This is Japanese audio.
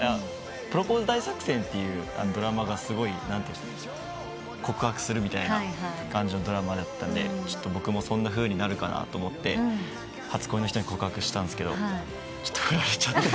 『プロポーズ大作戦』っていうドラマが告白するみたいな感じのドラマだったんで僕もそんなふうになるかと思って初恋の人に告白したんですが振られちゃって。